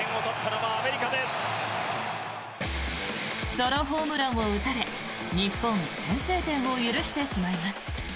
ソロホームランを打たれ、日本先制点を許してしまいます。